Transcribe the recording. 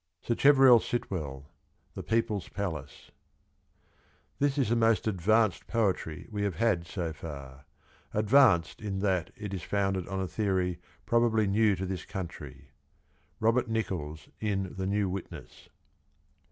Sacheverell Sitwell. THE PEOPLE'S PALACE. This is the most ' advanced ' poetry we have had so far ;' advanced ' in that it is founded on a theory probably new to this country. — Robert Nichols in The New Witness.